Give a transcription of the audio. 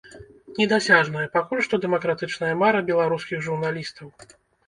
Недасяжная пакуль што дэмакратычная мара беларускіх журналістаў.